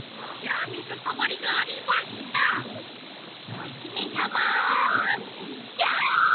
おひめさまジャンプ！